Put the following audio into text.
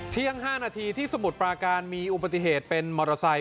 เที่ยง๕นาทีที่สมุดปลาการมีอุปติเหตุเป็นมอเตอร์ไซต์